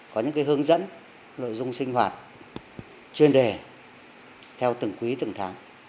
có những hướng dẫn nội dung sinh hoạt chuyên đề theo từng quý từng tháng